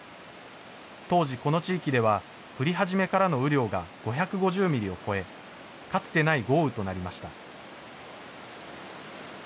当時、この地域では、降り始めからの雨量が５５０ミリを超え、かつてない豪雨となりました。